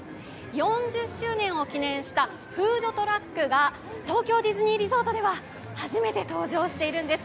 ４０周年を記念したフードトラックが東京ディズニーリゾートでは初めて登場しているんです。